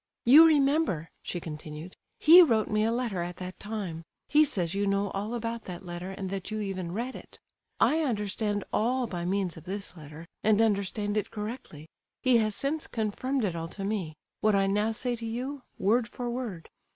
"You remember," she continued, "he wrote me a letter at that time; he says you know all about that letter and that you even read it. I understand all by means of this letter, and understand it correctly. He has since confirmed it all to me—what I now say to you, word for word.